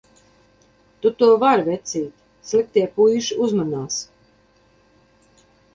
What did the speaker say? Tu to vari vecīt, Sliktie puiši uzmanās!